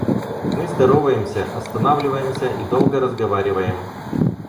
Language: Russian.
Мы здороваемся, останавливаемся и долго разговариваем.